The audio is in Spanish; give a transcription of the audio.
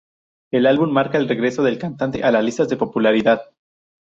El álbum marca el regreso del cantante a las listas de popularidad.